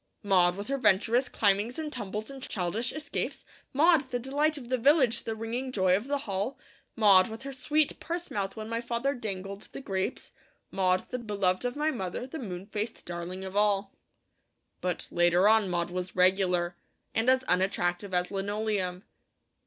Maud, with her venturous climbings and tumbles and childish escapes, Maud, the delight of the village, the ringing joy of the Hall, Maud, with her sweet purse mouth when my father dangled the grapes, Maud, the beloved of my mother, the moon faced darling of all. But later on Maud was regular and as unattractive as linoleum.